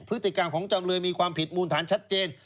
พฤติกรรมของจำเลยมีความผิดมูลฐานชัดเจน